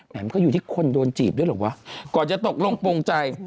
มันก็อยู่ที่คนโดนจีบด้วยเหรอวะก่อนจะตกลงโปรงใจ